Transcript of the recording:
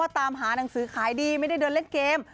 ตามหานังสือขายดีไม่ได้เดินเล่นเกม